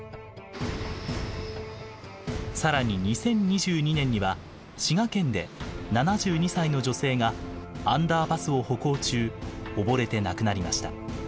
更に２０２２年には滋賀県で７２歳の女性がアンダーパスを歩行中溺れて亡くなりました。